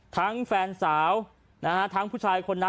แฟนสาวนะฮะทั้งผู้ชายคนนั้น